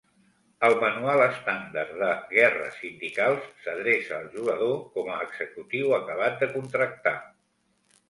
El manual estàndard de "Guerres sindicals" s'adreça al jugador com a executiu acabat de contractar.